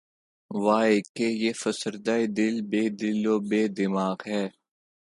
واے! کہ یہ فسردہ دل‘ بے دل و بے دماغ ہے